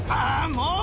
もう！